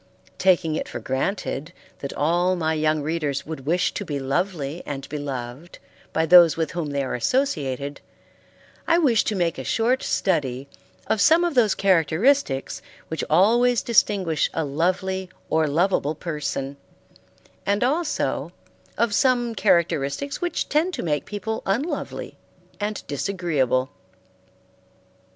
Taking it for granted that all my young readers would wish to be lovely and beloved by those with whom they are associated, I wish to make a short study of some of those characteristics which always distinguish a lovely or loveable person, and also of some characteristics which tend to make people unlovely and disagreeable.